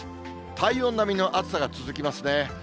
体温並みの暑さが続きますね。